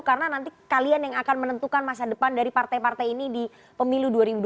karena nanti kalian yang akan menentukan masa depan dari partai partai ini di pemilu dua ribu dua puluh empat